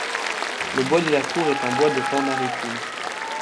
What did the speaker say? Le bois de la Cour est un bois de pins maritimes.